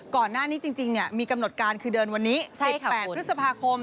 ก่อนหน้านี้จริงมีกำหนดการคือเดินวันนี้๑๘พฤษภาคม